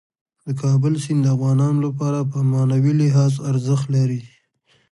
د کابل سیند د افغانانو لپاره په معنوي لحاظ ارزښت لري.